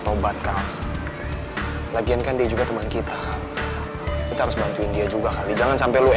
tobat kak lagian kan dia juga teman kita kita harus bantuin dia juga kali jangan sampai lo